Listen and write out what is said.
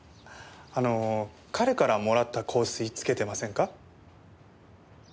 あの彼からもらった香水つけてませんか？